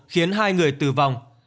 khiến hai người tử vong